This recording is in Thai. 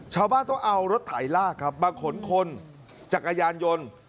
ชาวบ้านต้องเอารถถ่ายรากมาขนคนจากอายานยนต์